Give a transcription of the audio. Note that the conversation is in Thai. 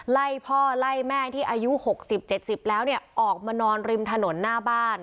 ไล่พ่อไล่แม่ที่อายุ๖๐๗๐แล้วเนี่ยออกมานอนริมถนนหน้าบ้าน